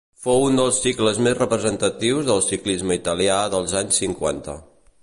Fou un dels cicles més representatius del ciclisme italià dels anys cinquanta.